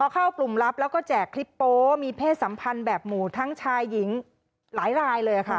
เข้ากลุ่มลับแล้วก็แจกคลิปโป๊มีเพศสัมพันธ์แบบหมู่ทั้งชายหญิงหลายรายเลยค่ะ